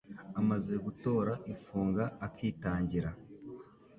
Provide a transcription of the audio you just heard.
Amaze gutora ifunga akitangira,